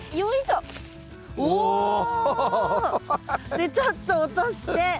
でちょっと落として。